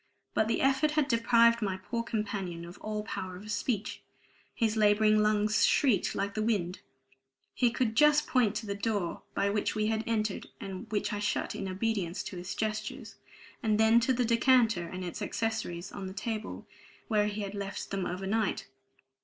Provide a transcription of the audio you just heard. But the effort had deprived my poor companion of all power of speech; his laboring lungs shrieked like the wind; he could just point to the door by which we had entered, and which I shut in obedience to his gestures, and then to the decanter and its accessories on the table where he had left them overnight.